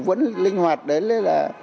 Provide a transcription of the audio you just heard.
vẫn linh hoạt đến là